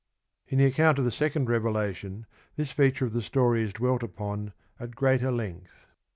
In the account of the second revelation this feature •nd the i«cond of the story is dwelt upon at greater length.